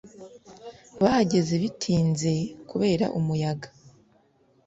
bahageze bitinze kubera umuyaga